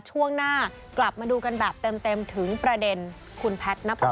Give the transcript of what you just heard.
ช่วงหน้ากลับมาดูกันแบบเต็มถึงประเด็นคุณแพทย์นับประ